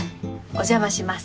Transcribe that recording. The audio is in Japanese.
お邪魔します。